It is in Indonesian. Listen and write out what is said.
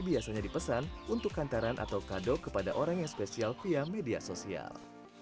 biasanya dipesan untuk hantaran atau kado kepada orang yang spesial via media sosial